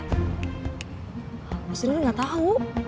sebenernya gak tau